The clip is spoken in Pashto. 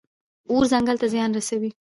اور ځنګل ته زیان رسوي.